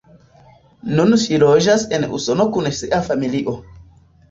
Nun ŝi loĝas en Usono kun sia familio.